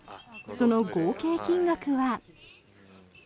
その合計金額は。